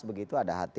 begitu ada hti